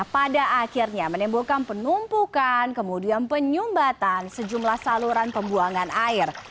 pada akhirnya menimbulkan penumpukan kemudian penyumbatan sejumlah saluran pembuangan air